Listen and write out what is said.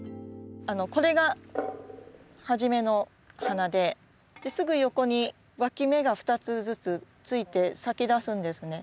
これが初めの花ですぐ横にわき芽が２つずつついて咲きだすんですね。